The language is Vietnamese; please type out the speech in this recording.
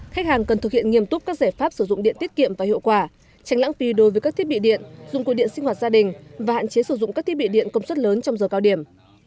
khách hàng cần thực hiện nghiêm túc các giải pháp sử dụng điện tiết kiệm và hiệu quả tránh lãng phí đối với các thiết bị điện dụng cụ điện sinh hoạt gia đình và hạn chế sử dụng các thiết bị điện công suất lớn trong giờ cao điểm